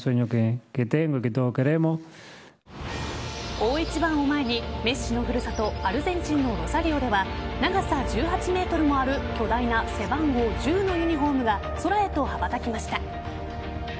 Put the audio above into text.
大一番を前にメッシの古里アルゼンチンのロサリオでは長さ１８ｍもある巨大な背番号１０のユニホームが空へと羽ばたきました。